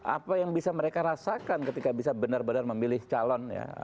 apa yang bisa mereka rasakan ketika bisa benar benar memilih calon ya